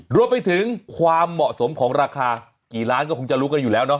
รวมไปถึงความเหมาะสมของราคากี่ล้านก็คงจะรู้กันอยู่แล้วเนาะ